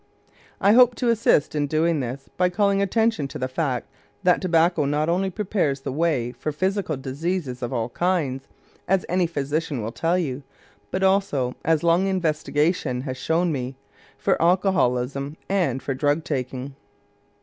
I hope to assist in doing this by calling attention to the fact that tobacco not only prepares the way for physical diseases of all kinds, as any physician will tell you, but also, as long investigation has shown me, for alcoholism and for drug taking.